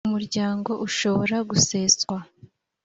umuryango ushobora guseswa